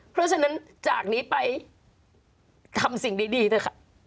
เพราะฉะนั้นจากนี้ไปทำสิ่งดีเถอะค่ะ